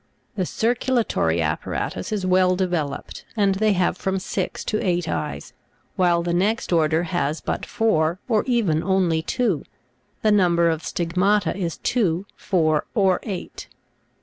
The circulatory apparatus is well developed, and they have from six to eight eyes, while the next order has but four or even only two. The number of stigmata is two, four, or eight.